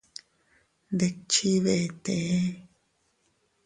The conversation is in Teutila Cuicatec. Ndikchi vetee.